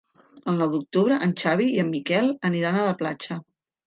El nou d'octubre en Xavi i en Miquel aniran a la platja.